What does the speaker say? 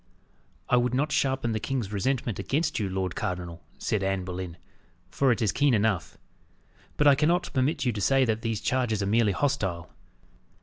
"I would not sharpen the king's resentment against you, lord cardinal," said Anne Boleyn, "for it is keen enough; but I cannot permit you to say that these charges are merely hostile.